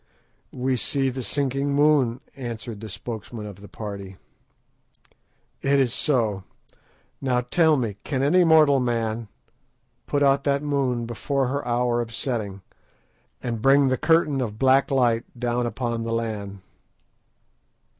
"We see the sinking moon," answered the spokesman of the party. "It is so. Now tell me, can any mortal man put out that moon before her hour of setting, and bring the curtain of black night down upon the land?"